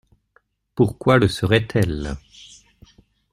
Pourquoi le seraient-elles?